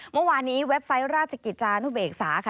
เมื่อวานนี้เว็บไซต์ราชกิจจานุเบกษาค่ะ